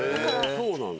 そうなんだ。